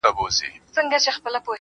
د کلي دې ظالم ملا سيتار مات کړی دی.